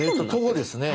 徒歩ですね。